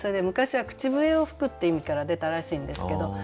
昔は口笛を吹くって意味から出たらしいんですけど。